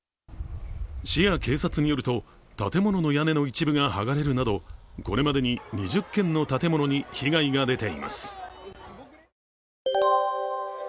市や警察によると建物の屋根の一部がはがれるなど２０軒の建物に被害が出ています。